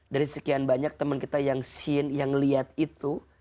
dari sekian banyak temen kita yang seen yang liat itu